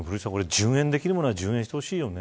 順延できるものは順延してほしいよね。